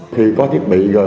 thì có thiết bị rồi